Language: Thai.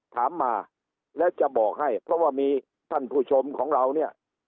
ถามมาแล้วจะบอกให้เพราะว่ามีท่านผู้ชมของเราเนี่ย